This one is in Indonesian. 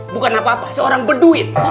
bukan apa apa seorang beduit